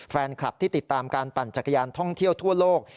แฟนคลับที่ติดตามการปั่นจักรยานท่องเที่ยวทั่วโลก